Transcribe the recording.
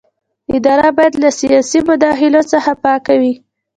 اداره باید له سیاسي مداخلو څخه پاکه وي.